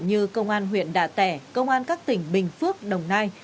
như công an huyện đạ tẻ công an các tỉnh bình phước đồng nai